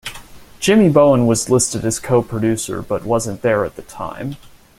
Jimmy Bowen was listed as co-producer but wasn't there at the time.